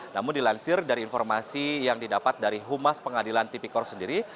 namun dilansir dari informasi yang didapat dari humas pengadilan tipikor sendiri